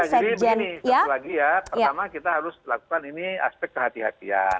jadi begini satu lagi ya pertama kita harus lakukan ini aspek kehati hatian